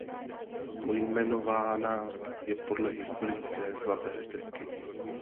Pojmenována je podle historické Zlaté stezky.